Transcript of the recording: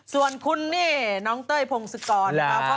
ส่วนคุณเนี่ยน้องเต้ยพงศกร